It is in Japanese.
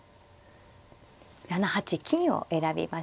７八金を選びました。